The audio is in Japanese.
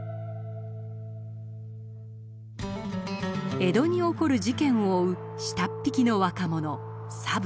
江戸に起こる事件を追う下っ引きの若者佐武。